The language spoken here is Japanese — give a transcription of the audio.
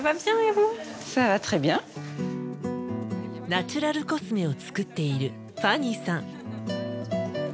ナチュラルコスメを作っているファニーさん。